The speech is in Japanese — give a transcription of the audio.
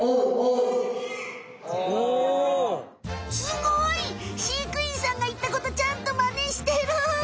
すごい！飼育員さんが言ったことちゃんとマネしてる！